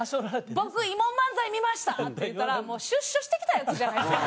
「僕慰問漫才見ました」って言ったらもう出所してきたヤツじゃないですか。